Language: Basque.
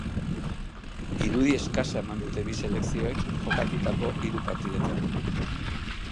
Irudi eskasa eman dute bi selekzioek jokatutako hiru partidetan.